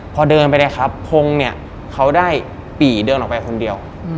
พอเดินไปเลยครับพงศ์เนี่ยเขาได้ปี่เดินออกไปคนเดียว